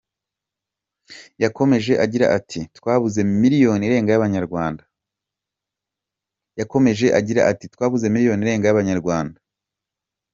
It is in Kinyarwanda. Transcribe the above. Yakomeje agira ati ”Twabuze miliyoni irenga y’Abanyarwanda.